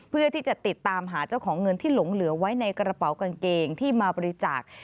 เพื่อที่จะติดตามหาเจ้าของเงินที่หลงเหลือไว้ในกระเป๋ากางเกงที่มาบริจาค